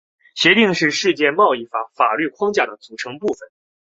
协定是世界贸易组织法律框架的组成部分。